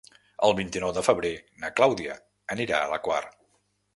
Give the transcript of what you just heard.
El vint-i-nou de febrer na Clàudia anirà a la Quar.